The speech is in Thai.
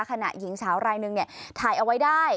ขณะหญิงสาวอะไรหนึ่งเนี่ยถ่ายเอาไว้ได้